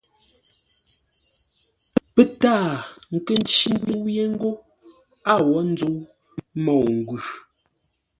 Pə́ taa nkə́ ncí ńtə́u yé ńgó a wó ńzə́u môu-ngwʉ̂.